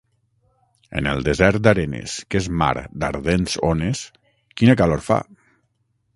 En el desert d'arenes que és mar d'ardents ones, quina calor fa!